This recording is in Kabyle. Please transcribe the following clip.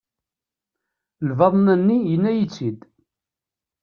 Lbaḍna-nni, yenna-iyi-tt-id.